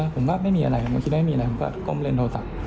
ผมก็ไม่มีอะไรบางทีไม่มีอะไรผมก็ก้มเล่นโทรศัพท์